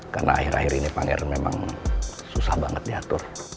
karena akhir akhir ini pangeran memang susah banget diatur